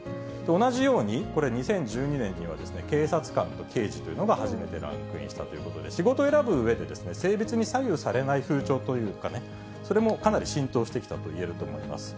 同じように、これ、２０１２年、警察官と刑事というのが初めてランクインしたということで、仕事選ぶうえで、性別に左右されない風潮というかね、それもかなり浸透してきたといえると思います。